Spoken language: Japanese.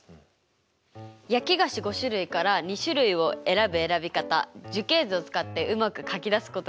焼き菓子５種類から２種類を選ぶ選び方樹形図を使ってうまく書き出すことができましたね。